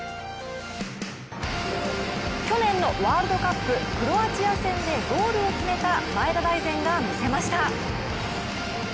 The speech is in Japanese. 去年のワールドカップクロアチア戦でゴールを決めた前田大然がみせました。